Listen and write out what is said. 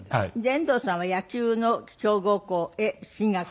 遠藤さんは野球の強豪校へ進学？